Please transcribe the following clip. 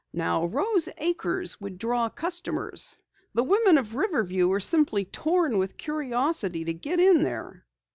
Now Rose Acres would draw customers. The women of Riverview are simply torn with curiosity to get in there."